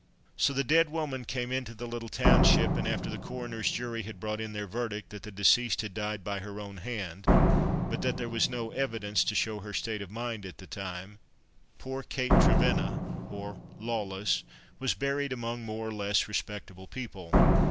So the dead woman came into the little township, and after the coroner's jury had brought in their verdict that the deceased had died by her own hand, but that there was no evidence to show her state of mind at the time, poor Kate Trevenna (or Lawless) was buried among more or less respectable people.